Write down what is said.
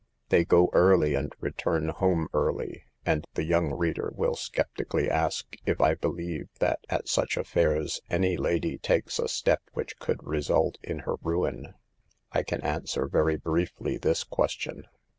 They go early and return home early, and the young reader will skeptically ask if I believe that at such affairs any lady takes a step which could result in her ruin ? I can answer very briefly this question.